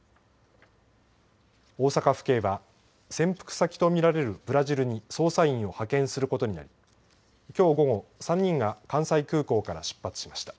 大阪府警は潜伏先と見られるブラジルに捜査員を派遣することになりきょう午後、３人が関西空港から出発しました。